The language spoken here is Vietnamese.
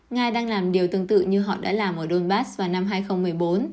nga đang làm điều tương tự như họ đã làm ở donbass vào năm hai nghìn một mươi bốn